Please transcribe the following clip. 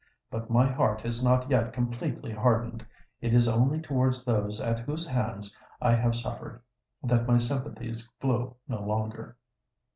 But my heart is not yet completely hardened: it is only towards those at whose hands I have suffered, that my sympathies flow no longer.